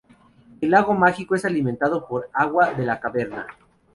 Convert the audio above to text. El lago mágico es alimentado por agua de la caverna.